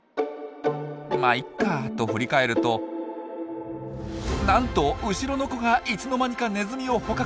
「まっいいか」と振り返るとなんと後ろの子がいつの間にかネズミを捕獲！